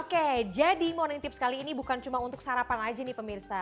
oke jadi morning tips kali ini bukan cuma untuk sarapan aja nih pemirsa